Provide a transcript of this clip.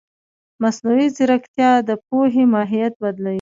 مصنوعي ځیرکتیا د پوهې ماهیت بدلوي.